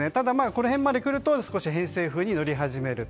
この辺まで来ると偏西風に乗り始める。